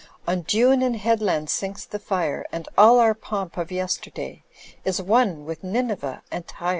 On dune and headland sinks the fire. And all our pomp of yesterday Is one with Nineveh and Tyre.